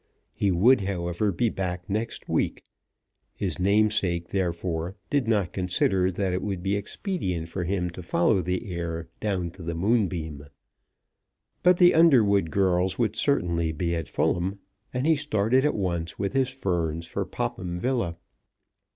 He would, however, be back next week. His namesake, therefore, did not consider that it would be expedient for him to follow the heir down to the Moonbeam. But the Underwood girls would certainly be at Fulham, and he started at once with his ferns for Popham Villa.